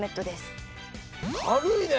軽いね！